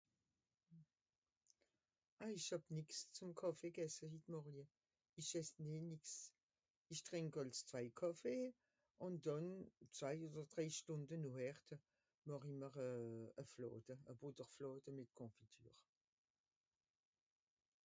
ah esch hàb nix zum Kàffee gesse hit morje Ich ess nie nix Ich trenk als zwei Kàffee un dànn zwai oder drei stùnde norhert noch ìmmer a flàdde a Butter flàdde mìt Confiture